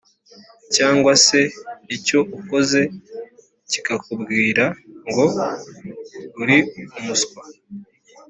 cyangwa se icyo ukoze kikakubwira ngo «uri umuswa!»